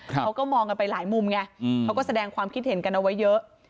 เขาก็มองกันไปหลายมุมไงเขาก็แสดงความคิดเห็นกันเอาไว้เยอะ